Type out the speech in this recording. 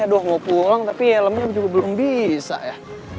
aduh mau pulang tapi helmnya juga belum bisa ya